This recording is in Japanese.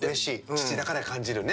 父だから感じるね。